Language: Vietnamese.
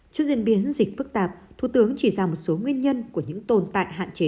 trước diễn biến dịch phức tạp thủ tướng chỉ ra một số nguyên nhân của những tồn tại hạn chế